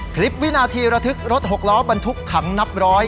วินาทีระทึกรถหกล้อบรรทุกถังนับร้อย